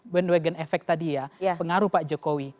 bandwagon effect tadi ya pengaruh pak jokowi